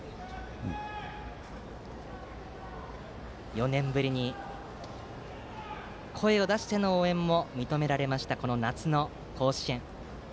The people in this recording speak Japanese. ４年ぶりに声を出しての応援も認められました夏の甲子園。